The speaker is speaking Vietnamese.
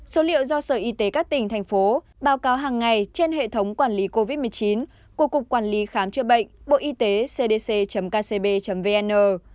số liệu do sở y tế các tỉnh thành phố báo cáo hàng ngày trên hệ thống quản lý covid một mươi chín của cục quản lý khám chữa bệnh bộ y tế cdc kcb vn